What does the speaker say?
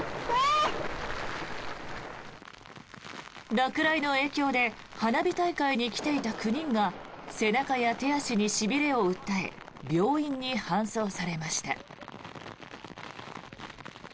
落雷の影響で花火大会に来ていた９人が背中や手足にしびれを訴え病院に搬送されました。